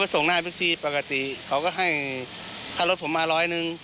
ก็ไปส่งหน้าพิกซีปกติเขาก็ให้คันรถผมมาร้อยหนึ่ง